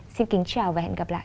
xin kính chào và hẹn gặp lại